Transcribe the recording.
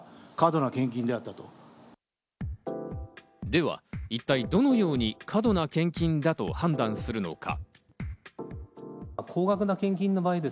では一体、どのように過度な献金だと判断するのか？